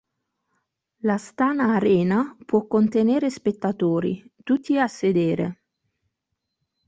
L'Astana Arena può contenere spettatori, tutti a sedere.